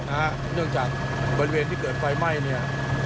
เนื่องจากเวลาที่เกิดไฟไหม้